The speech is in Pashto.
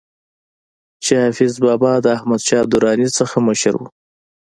چې حافظ بابا د احمد شاه دراني نه مشر وو